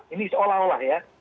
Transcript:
ini seolah olah ya